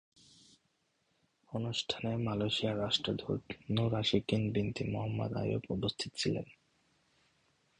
অনুষ্ঠানে মালয়েশিয়ার রাষ্ট্রদূত নূর আশিকিন বিনতি মোহাম্মদ আইয়ুব উপস্থিত ছিলেন।